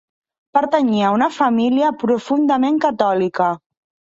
Pertanyia a una família profundament catòlica.